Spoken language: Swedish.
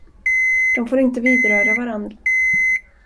De får inte vidröra varann.